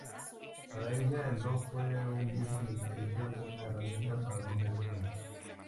Para ella el rock fue un vehículo de expresión, una herramienta para romper esquemas.